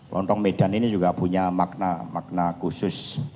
lontong medan ini juga punya makna makna khusus